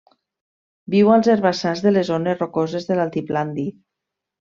Viu als herbassars de les zones rocoses de l'altiplà andí.